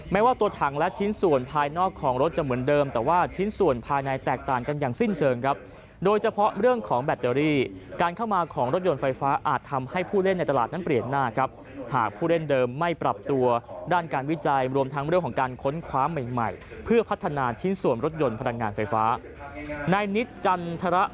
ว่าตัวถังและชิ้นส่วนภายนอกของรถจะเหมือนเดิมแต่ว่าชิ้นส่วนภายในแตกต่างกันอย่างสิ้นเชิงครับโดยเฉพาะเรื่องของแบตเตอรี่การเข้ามาของรถยนต์ไฟฟ้าอาจทำให้ผู้เล่นในตลาดนั้นเปลี่ยนหน้าครับหากผู้เล่นเดิมไม่ปรับตัวด้านการวิจัยรวมทั้งเรื่องของการค้นคว้าใหม่ใหม่เพื่อพัฒนาชิ้นส่วนรถยนต์พลังงานไฟฟ้า